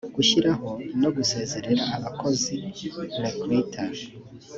gushyiraho no gusezerera abakozi recruter